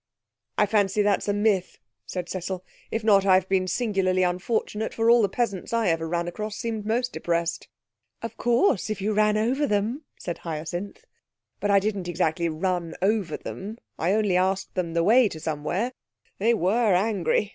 'I fancy that's a myth,' said Cecil. 'If not, I've been singularly unfortunate, for all the peasants I ever ran across seemed most depressed.' 'Of course, if you ran over them!' said Hyacinth. 'But I didn't exactly run over them; I only asked them the way to somewhere. They were angry!